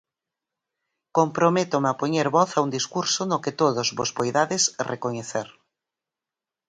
Comprométome a poñer voz a un discurso no que todos vos poidades recoñecer.